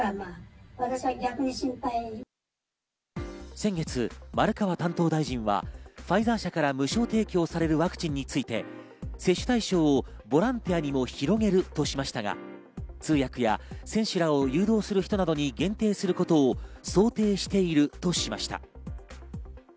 先月、丸川担当大臣はファイザー社から無償提供されるワクチンについて接種対象をボランティアにも広げるとしましたが通訳や選手らを誘導する人などに限定することを想定しているとしました。